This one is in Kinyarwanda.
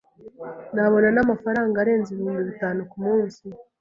nabona n’amafaranga arenze ibihumbi bitanu ku munsi.